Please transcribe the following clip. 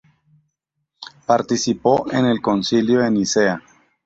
Participó en el Concilio de Nicea.